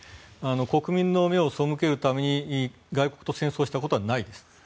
国民の目をそむけるために外国と戦争をしたことはないです。